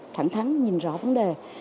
thẳng thắng nhìn rõ vấn đề